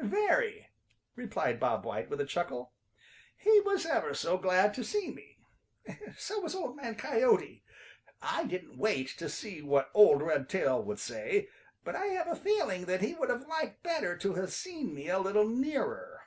"Very," replied Bob White with a chuckle. "He was ever so glad to see me. So was Old Man Coyote. I didn't wait to see what Old Redtail would say, but I have a feeling that he would have liked better to have seen me a little nearer.